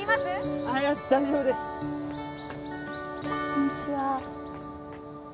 ・こんにちは。